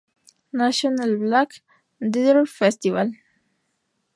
National Black Theatre Festival.